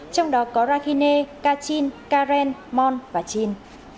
trong đó có rakhine kachin karen mon và chin